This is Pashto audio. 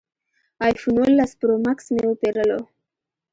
ایفون اوولس پرو ماکس مې وپېرلو